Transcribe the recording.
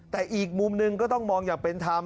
แต่อีกมุมหนึ่งก็ต้องมองอย่างเป็นธรรม